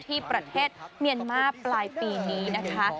ที่ประเทศเมียนมาปลายปีนี้นะคะ